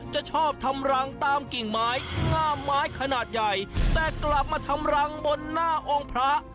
จะชอบทำรังตามกิ่งไม้งามไม้ขนาดใหญ่แต่กลับมาทำรังบนหน้าองค์พระ